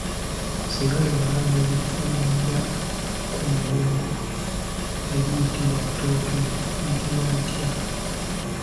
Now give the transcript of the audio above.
Singa limala ne lifulumira ku mugogo teriyitibwa ttooke, liyitibwa litya?